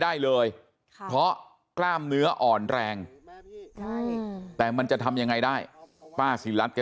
ได้เลยเพราะกล้ามเนื้ออ่อนแรงแต่มันจะทำยังไงได้ป้าศิลัดแก